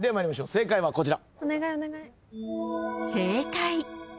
正解はこちら。